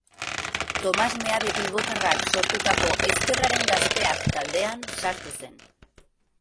Tomas Meabe bilbotarrak sortutako Ezkerraren Gazteak taldean sartu zen.